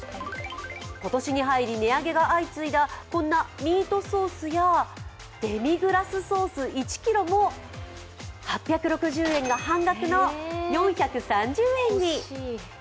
今年に入り、値上げが相次いだミートソースやデミグラスソース１ｋｇも８６０円が半額の４３０円に。